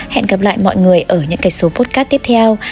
hẹn gặp lại mọi người ở những cái số podcast tiếp theo